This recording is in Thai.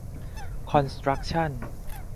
คอนสตรัคชั่น